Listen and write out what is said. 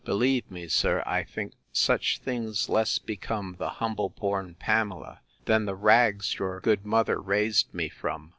Believe me, sir, I think such things less become the humble born Pamela, than the rags your good mother raised me from.